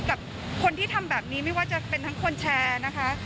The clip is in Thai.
กับคนที่ทำแบบนี้ไม่ว่าจะเป็นทั้งคนแชร์นะคะ